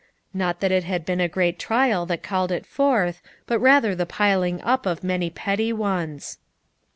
Not that it had been a great trial that called it forth, but rather the piling np of many petty ones.